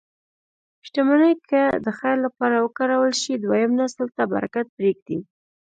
شتمني که د خیر لپاره وکارول شي، دویم نسل ته برکت پرېږدي.